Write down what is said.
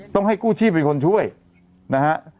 ต้องให้กู้ชีพเป็นคนช่วยนะฮะ